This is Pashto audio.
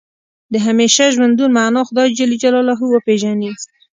د همیشه ژوندون معنا خدای جل جلاله وپېژني.